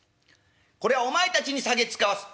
これはお前たちに下げつかわす」。